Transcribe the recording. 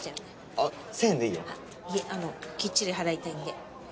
あっいえあのきっちり払いたいんで。